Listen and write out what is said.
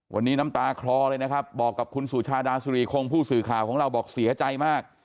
วันนี้น้ำตาคลอเลยนะครับบอกกับคุณสุชาดาสุริคงผู้สื่อข่าวของเราบอกเสียใจมาก